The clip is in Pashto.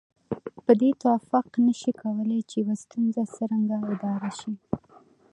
په دې توافق نشي کولای چې يوه ستونزه څرنګه اداره شي.